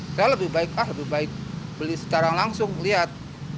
saya lebih baik beli secara langsung lihat